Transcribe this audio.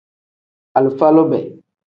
Alifa lube.